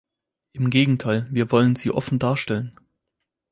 Im Gegenteil wir wollen sie offen darstellen.